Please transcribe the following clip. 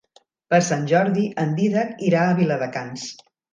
Per Sant Jordi en Dídac irà a Viladecans.